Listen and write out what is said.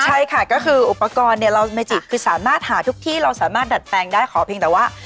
ใช่ค่ะก็คืออุปกรณ์เนี่ยเราเมจิคือสามารถหาทุกที่เราสามารถดัดแปลงได้ขอเพียงแต่ว่า